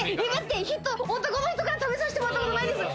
男の人から食べさせてもらったことないです。